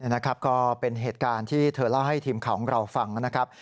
นะครับก็เป็นเหตุการณ์ที่เธอเล่าให้ทีมข่าวของเราฟังนะครับ